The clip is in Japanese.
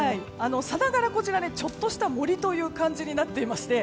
さながらこちらちょっとした森というような感じになっていまして。